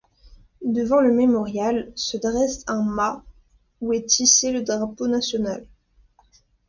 Devant le mémorial, se dresse un mât où est hissé le drapeau national.